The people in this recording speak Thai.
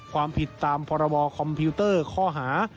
ความผิดตามพรบคอมพิวเตอร์ข้อหา